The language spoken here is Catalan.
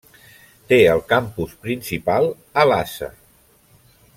Té el campus principal a Lhasa.